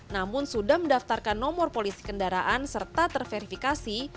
namun sudah mendaftarkan nomor polisi kendaraan serta terverifikasi